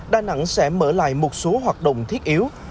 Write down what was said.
đỏ này một số hoạt động thiết yếu